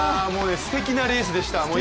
すてきなレースでした。